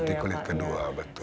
seperti kulit kedua betul